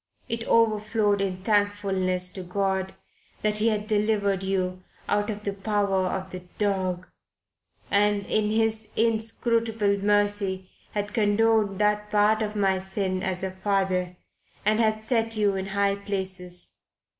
"It overflowed in thankfulness to God that He had delivered you out of the power of the Dog, and in His inscrutable mercy had condoned that part of my sin as a father and had set you in high places."